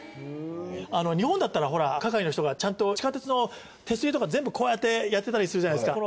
日本だったらほら係りの人がちゃんと地下鉄の手すりとか全部こうやってやってたりするじゃないですか。